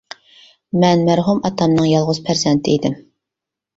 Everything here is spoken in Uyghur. مەن مەرھۇم ئاتامنىڭ يالغۇز پەرزەنتى ئىدىم.